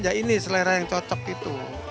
ya ini selera yang cocok itu